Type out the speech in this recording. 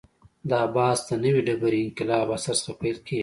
دا بحث د نوې ډبرې انقلاب عصر څخه پیل کېږي.